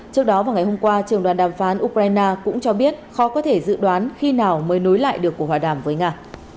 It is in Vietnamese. trước đó vào ngày hôm qua trường đoàn đàm phán ukraine cũng cho biết khó có thể dự đoán khi nào mới nối lại được cuộc hòa đàm với nga